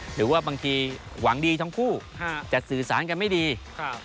หรือว่าบางทีหวังดีทั้งคู่ฮะจะสื่อสารกันไม่ดีครับ